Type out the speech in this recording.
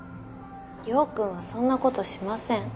陽君はそんなことしません。